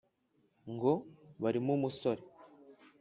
ngo: barimo umusore